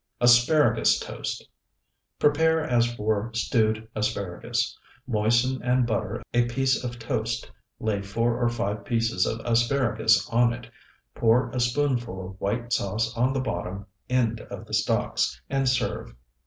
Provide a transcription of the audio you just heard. ASPARAGUS TOAST Prepare as for stewed asparagus. Moisten and butter a piece of toast, lay four or five pieces of asparagus on it, pour a spoonful of white sauce on the bottom end of the stalks, and serve.